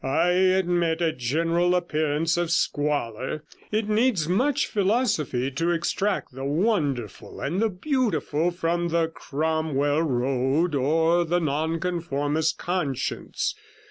I admit a general appearance of squalor; it needs much philosophy to extract the wonderful and the beautiful from the Cromwell Road or the Nonconformist conscience.